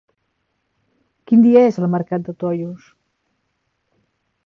Quin dia és el mercat de Tollos?